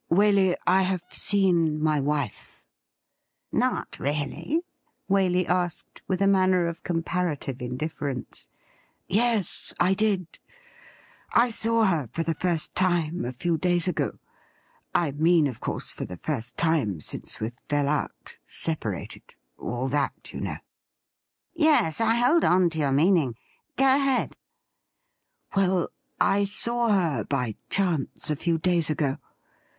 Waley, I have seen my wife !'' Not really .?' Waley asked, with a manner of comparative indifference. ' Yes, I did ! I saw her for the first time a few days ago ; I mean, of course, for the first time since we fell out — separated — all that, you know.' ' Yes, I hold on to your meaning. Go ahead.' ' Well, I saw her by chance a few days ago.